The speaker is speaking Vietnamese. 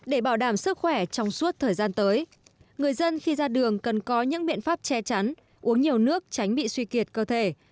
để bảo đảm sức khỏe trong suốt thời gian tới người dân khi ra đường cần có những biện pháp che chắn uống nhiều nước tránh bị suy kiệt cơ thể